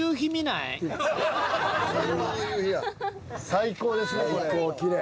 最高ですねこれ。